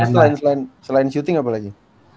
selain selain shooting apa lagi